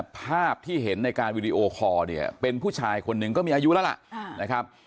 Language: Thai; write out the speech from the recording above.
ภาพที่เห็นในการวิดีโอคอล์เป็นผู้ชายคนหนึ่งก็มีอายุแล้วล่ะ